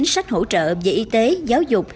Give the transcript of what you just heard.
sách hỗ trợ về y tế giáo dục